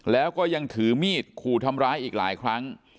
แล้วก็ยังถือมีดขู่ทำร้ายอีกหลายครั้ง